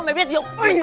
mày biết gì không